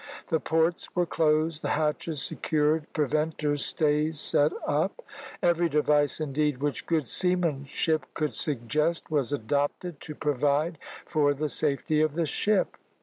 The ports were closed, the hatches secured, preventer stays set up; every device, indeed, which good seamanship could suggest, was adopted to provide for the safety of the ship.